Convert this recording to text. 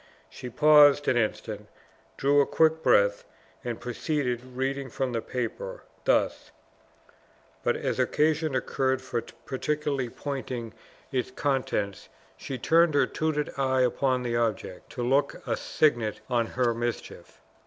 She paused an instant, drew a quick breath, and proceeded reading from the paper, thus: (But as occasion occurred for particularly pointing its contents, she turned her tutored eye upon the object, to look a signet on her mischief.)